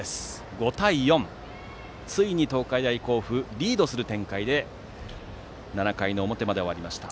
５対４、ついに東海大甲府がリードする展開で７回の表まで終わりました。